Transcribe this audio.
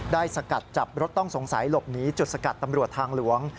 สกัดจับรถต้องสงสัยหลบหนีจุดสกัดตำรวจทางหลวง